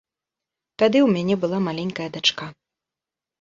Тады ў мяне была маленькая дачка.